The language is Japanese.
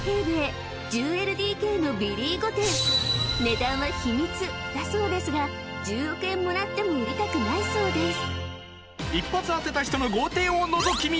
［値段は秘密だそうですが１０億円もらっても売りたくないそうです］